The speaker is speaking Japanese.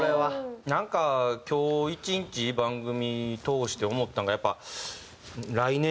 なんか今日一日番組通して思ったんがやっぱ。